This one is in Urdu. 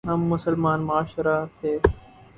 ہم مسلمان معاشرہ تھے۔